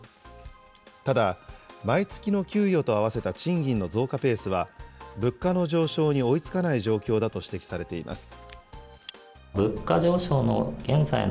ただ、毎月の給与と合わせた賃金の増加ペースは、物価の上昇に追いつかない状況だと指摘されています。